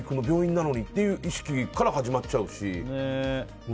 病院なのにという意識から始まっちゃうし。